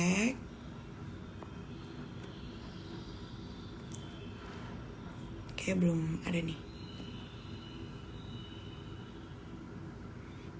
kayaknya belum ada nih